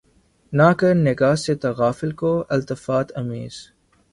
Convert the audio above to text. نہ کر نگہ سے تغافل کو التفات آمیز